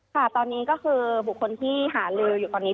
ค่ะตอนนี้ก็คือบุคคลที่หาลืออยู่ตอนนี้